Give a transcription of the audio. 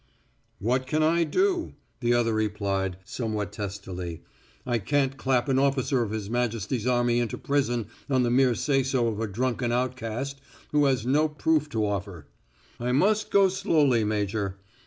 "What can I do?" the other replied, somewhat testily. "I can't clap an officer of his majesty's army into prison on the mere say so of a drunken outcast who has no proof to offer. I must go slowly, Major.